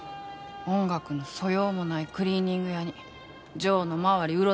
音楽の素養もないクリーニング屋にジョーの周り